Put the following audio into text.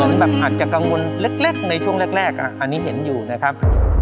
อันนี้แบบอาจจะกังวลเล็กเล็กในช่วงแรกแรกอ่ะอันนี้เห็นอยู่นะครับ